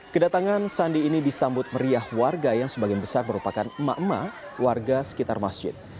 kedatangan sandi ini disambut meriah warga yang sebagian besar merupakan emak emak warga sekitar masjid